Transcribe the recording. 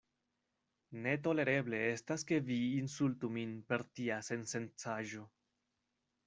“Ne tolereble estas ke vi insultu min per tia sensencaĵo.”